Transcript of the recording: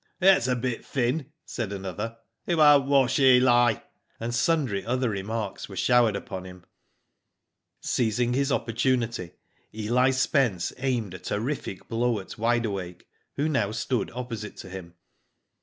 ''That's a bit thin" said another. "It won't wash, Eli," and sundry other remarks were showered upon him. Seizing his opportunity, Eli Spence aimed a terrific blow at Wide Awake, who now stood opposite to him.